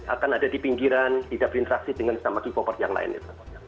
akan ada di pinggiran tidak berinteraksi dengan sesama k popers yang lainnya